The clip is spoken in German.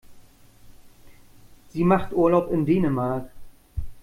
Sie macht Urlaub in Dänemark.